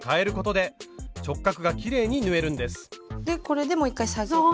でこれでもう一回下げて。